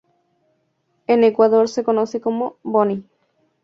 En Ecuador se conocen como 'Bony'.